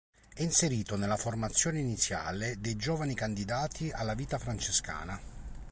È inserito nella formazione iniziale dei giovani candidati alla vita francescana.